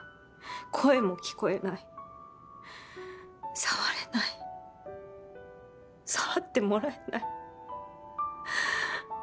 声も聞こえない触れない触ってもらえない